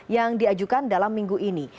yang diajukan dalam minggu ini